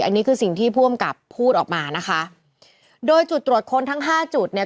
อันนี้คือสิ่งที่ผู้อำกับพูดออกมานะคะโดยจุดตรวจค้นทั้งห้าจุดเนี่ย